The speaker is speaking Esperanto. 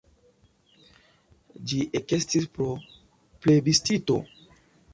Ĝi ekestis pro plebiscito.